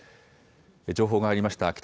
情報が入りました。